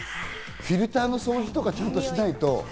フィルターの掃除とかちゃんとしないと。